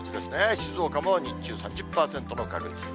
静岡も日中３０％の確率。